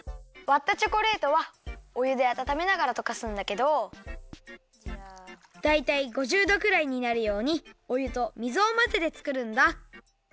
わったチョコレートはおゆであたためながらとかすんだけどだいたい５０どくらいになるようにおゆと水をまぜてつくるんだ。